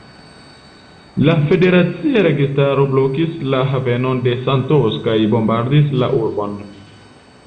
La federacia registaro blokis la haveno de Santos kaj bombardis la urbon.